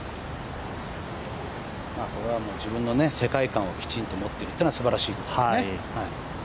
これは自分の世界観をしっかり持っているというのはすばらしいことですね。